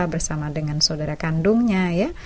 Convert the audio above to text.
bersama dengan saudara kandanya